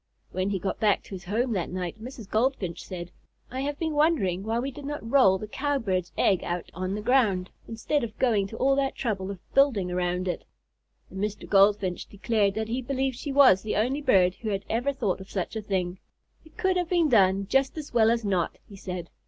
When he got back to his home that night, Mrs. Goldfinch said: "I have been wondering why we did not roll the Cowbird's egg out on the ground, instead of going to all that trouble of building around it." And Mr. Goldfinch declared that he believed she was the only bird who had ever thought of such a thing. "It could have been done just as well as not," he said.